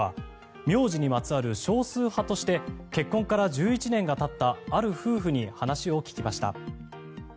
名字にまつわる少数派として結婚から１１年がたったある夫婦に話を聞きました。